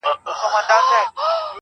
هغې په نيمه شپه ډېـــــوې بلــــي كړې.